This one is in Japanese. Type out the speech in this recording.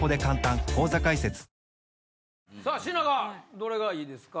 どれがいいですか？